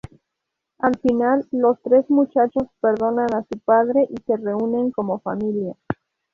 Al final, los tres muchachos perdonan a su padre y se reúnen como familia.